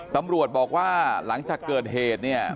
ตำรวจบอกว่าหลังจากเกิดเหตุเนี่ย